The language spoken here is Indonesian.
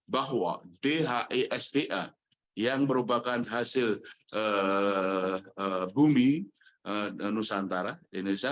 bahwa dhesta yang merupakan hasil bumi nusantara indonesia